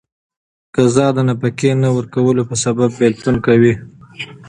قضا د نفقې نه ورکولو په سبب بيلتون کوي.